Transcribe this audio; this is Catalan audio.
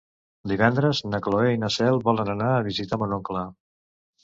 Divendres na Cloè i na Cel volen anar a visitar mon oncle.